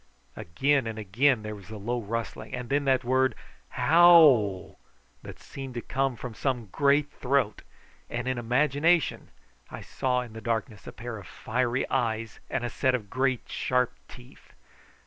Again and again there was the low rustling, and then that word Howl that seemed to come from some great throat; and in imagination I saw in the darkness a pair of fiery eyes and a set of great sharp teeth.